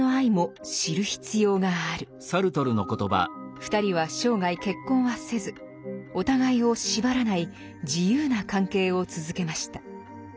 ２人は生涯結婚はせずお互いを縛らない自由な関係を続けました。